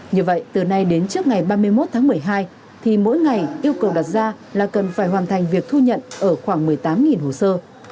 như vậy từ nay đến trước ngày ba mươi một tháng một mươi hai thì mỗi ngày yêu cầu đặt ra là cần phải hoàn thành việc thu nhận ở khoảng một mươi tám hồ sơ